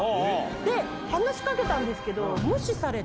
で、話しかけたんですけど、無視されて。